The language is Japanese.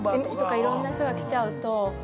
いろんな人が来ちゃうと。